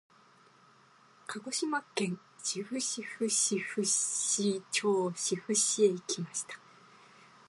鹿児島県志布志市志布志町志布志へ行きました。